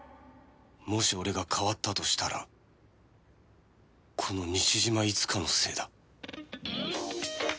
もし俺が変わったとしたらこの西島いつかのせいだ